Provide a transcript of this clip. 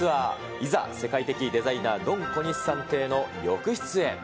いざ、世界的デザイナー、ドン小西さん邸の浴室へ。